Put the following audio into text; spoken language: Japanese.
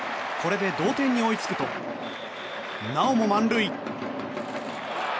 これで同点に追いつくとなおも満塁。